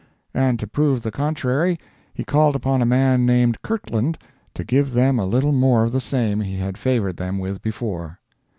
And to prove the contrary, he called upon a man named Kirtland to give them a little more of the same he had favored them with before.